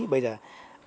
bây giờ ăn một lần thêm